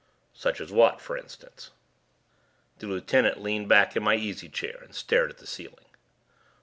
"Such as what, for instance." The lieutenant leaned back in my easy chair and stared at the ceiling.